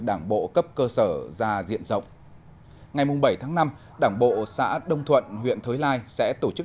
đảng bộ cấp cơ sở ra diện rộng ngày bảy tháng năm đảng bộ xã đông thuận huyện thới lai sẽ tổ chức